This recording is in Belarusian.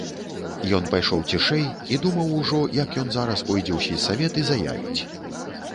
Ён пайшоў цішэй і думаў ужо, як ён зараз пойдзе ў сельсавет і заявіць.